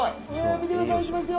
見てください行きますよ